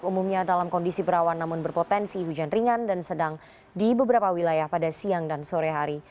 umumnya dalam kondisi berawan namun berpotensi hujan ringan dan sedang di beberapa wilayah pada siang dan sore hari